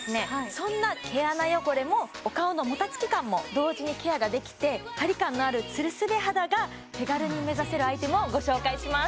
そんな毛穴汚れもお顔のもたつき感も同時にケアができてハリ感のあるツルスベ肌が手軽に目指せるアイテムをご紹介します